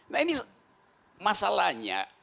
nah ini masalahnya